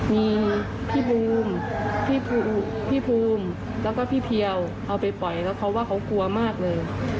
มีพี่บูมพี่บูมแล้วก็พี่เพียวเอาไปปล่อยแล้วเขาว่าเขากลัวมากเลย